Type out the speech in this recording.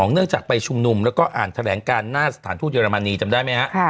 เนื่องจากไปชุมนุมแล้วก็อ่านแถลงการหน้าสถานทูตเยอรมนีจำได้ไหมฮะ